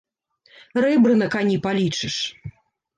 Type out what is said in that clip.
Рэбры на кані палічыш.